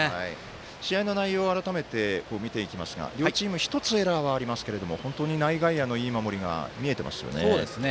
試合の内容、改めて見ていきますが、両チーム１つ、エラーはありますが本当に内外野のいい守りが見えてますね。